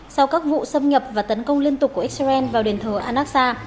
sau các vụ xâm nhập và tấn công liên tục của israel vào đền thờ anasa